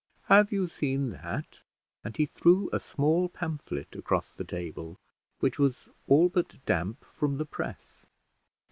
Have you seen that?" and he threw a small pamphlet across the table, which was all but damp from the press.